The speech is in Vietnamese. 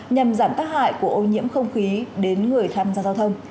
nhằm giảm tác hại của ô nhiễm không khí đến người tham gia giao thông